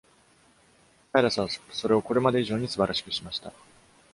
サイラスは、それをこれまで以上に素晴らしくしました。